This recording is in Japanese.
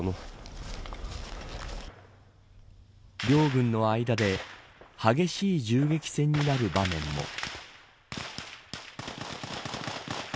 両軍の間で激しい銃撃戦になる場面も。